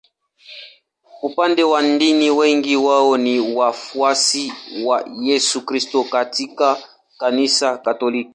Upande wa dini wengi wao ni wafuasi wa Yesu Kristo katika Kanisa Katoliki.